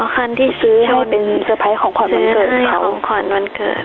ขั้นที่ซื้อให้เป็นสะพัดของขวัญมันเกิดเขา